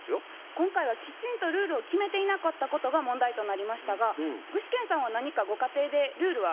今回はきちんとルールを決めていなかったことが問題となりましたが具志堅さんは何かご家庭でルールは決めておられますか？